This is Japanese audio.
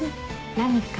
何か？